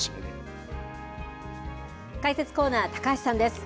解説コーナー、高橋さんです。